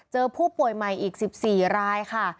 เจอผู้ป่วยใหม่อีก๑๔รายค่ะ